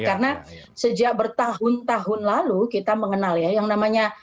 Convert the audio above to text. karena sejak bertahun tahun lalu kita mengenal ya yang namanya